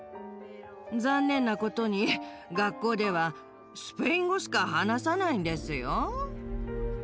残念なことに学校ではスペイン語しか話さないんですよ。